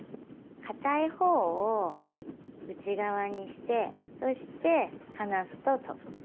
かたい方を内側にしてそして離すと飛ぶ。